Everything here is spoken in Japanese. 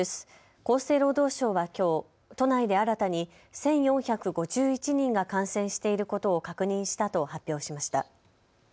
厚生労働省はきょう都内で新たに１４５１人が感染していることを確認したと発表しました。